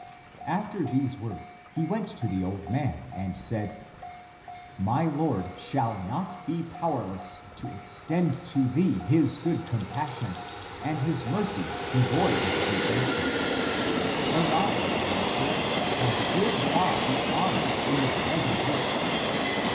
After these words he went to the old man and said, " My Lord shall not be powerless to ex tend to thee his good compassion and his mercy devoid of presumption. Arise, therefore, and give God the honor in the present work."